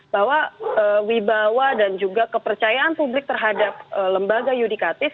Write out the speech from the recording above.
bahwa wibawa dan juga kepercayaan publik terhadap lembaga yudikatif